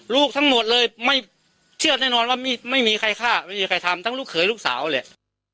ลูกทั้งหมดเลยไม่เชื่อแน่นอนว่าไม่มีใครฆ่าไม่มีใครทำทั้งลูกเขยลูกสาวแหละ